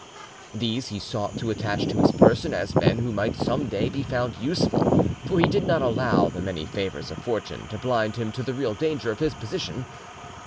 These he sought to attach to his person as men who might some day be found useful, for he did not allow the many favours of fortune to blind him to the real danger of his position.